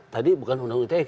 tadi bukan undang undang ite